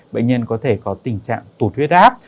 bệnh nhân có thể có tình trạng tụt huyết áp